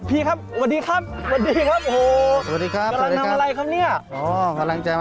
พี่ครับสวัสดีครับ